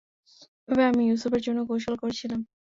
এভাবে আমি ইউসুফের জন্যে কৌশল করেছিলাম।